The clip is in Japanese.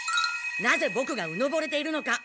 なぜボクがうぬぼれているのか。